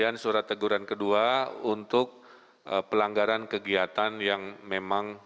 kemudian surat teguran kedua untuk pelanggaran kegiatan yang memang